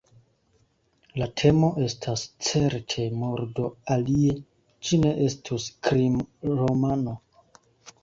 La temo estas, certe, murdo – alie ĝi ne estus krimromano.